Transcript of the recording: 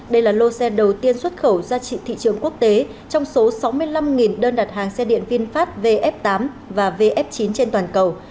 đây là lô xe đầu tiên xuất khẩu ra trị thị trường quốc tế trong số sáu mươi năm đơn đặt hàng xe điện vinfast vf tám và vf chín trên toàn cầu